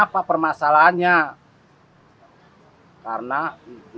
kena hermite dari sand thighs dari soooo anten angk